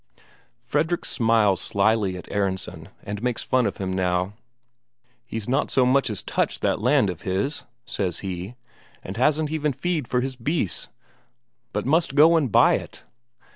Fredrik smiles slyly at Aronsen, and makes fun of him now. "He's not so much as touched that land of his," says he, "and hasn't even feed for his beasts, but must go and buy it.